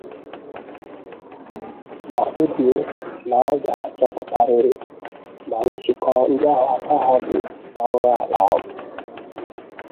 ma kpebie na a ga-achọpụtarịrị ma nwụchikọọ ndị ahụ aka ha dị n'arụrụala ahụ